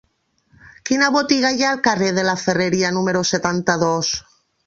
Quina botiga hi ha al carrer de la Ferreria número setanta-dos?